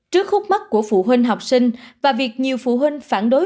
trước khúc mắt của phụ huynh học sinh và việc nhiều phụ huynh phản đối